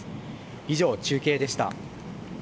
以上、中継でした。